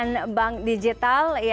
soal bagaimana trend bank digital ini